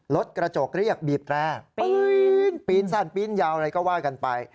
รถกระจกเรียกบีบแร่ปีนสั้นปีนยาวอะไรก็ว่ากันไป